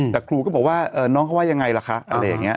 แต่ครูก็บอกว่าน้องเขาว่ายังไงล่ะคะอะไรอย่างนี้